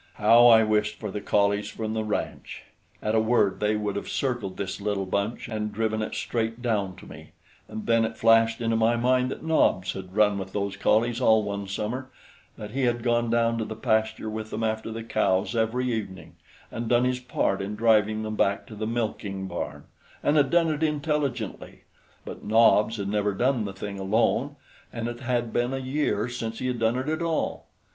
How I wished for the collies from the ranch! At a word they would have circled this little bunch and driven it straight down to me; and then it flashed into my mind that Nobs had run with those collies all one summer, that he had gone down to the pasture with them after the cows every evening and done his part in driving them back to the milking barn, and had done it intelligently; but Nobs had never done the thing alone, and it had been a year since he had done it at all.